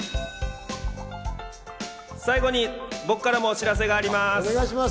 最後に僕からもお知らせがあります。